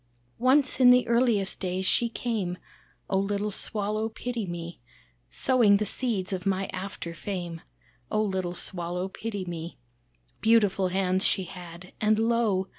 "Once in the earliest days She came, Oh little Swallow pity me, Sowing the seeds of my after fame, Oh little Swallow pity me. Beautiful hands she had, and lo!